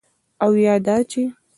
او یا دا چې: